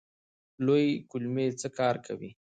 لویې کولمې څه کار کوي؟